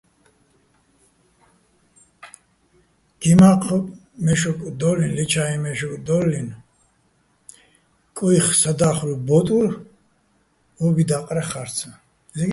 გი მაჴოჼ მე́შოკ დო́ლლინო̆, ლე ჩა́იჼ მე́შოკ დო́ლლინო̆ კუჲხი̆ სადა́ხლუჲ ბო́ტურ ო́ბი და́ყრეხ ხა́რცაჼ.